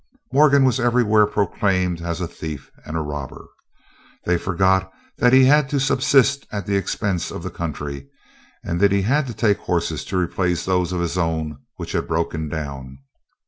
Morgan was everywhere proclaimed as a thief and a robber. They forgot that he had to subsist at the expense of the country, and that he had to take horses to replace those of his own which had broken down.